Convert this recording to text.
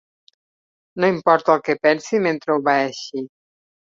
No importa el que pensi mentre obeeixi.